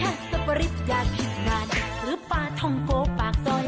อ้าวแดนกันเต็มที่